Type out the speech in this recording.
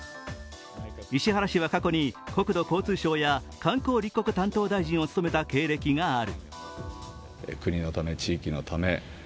石原氏は過去に国土交通省や観光立国担当大臣を務めた経歴がある。